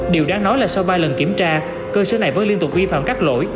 điều đáng nói là sau ba lần kiểm tra cơ sở này vẫn liên tục vi phạm các lỗi